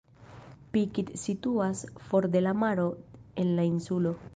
Pikit situas for de la maro en la insulo.